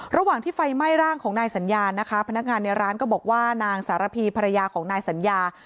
ระหว่างที่ไฟไหม้ร่างของนายสัญญานะคะพนักงานในร้านก็บอกว่านางสารพีภรรยาของนายสัญญา